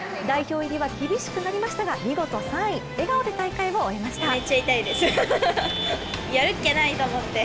代表入りは厳しくなりましたが見事３位、笑顔で大会を終えました。